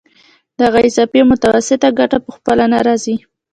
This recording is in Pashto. دغه اضافي او متوسطه ګټه په خپله نه راځي